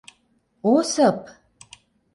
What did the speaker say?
Осып!..